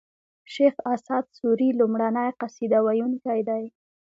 شېخ اسعد سوري لومړی قصيده و يونکی دﺉ.